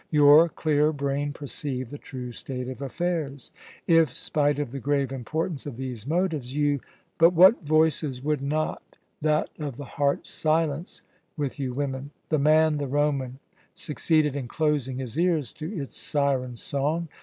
"Your clear brain perceived the true state of affairs. If, spite of the grave importance of these motives, you But what voices would not that of the heart silence with you women! The man, the Roman, succeeded in closing his ears to its siren song.